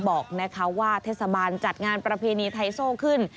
บอกว่าเทศบาลจัดงานประเพณีไทโซ่ขึ้น